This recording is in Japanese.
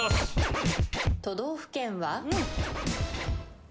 都道府県は？